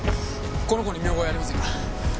この子に見覚えありませんか？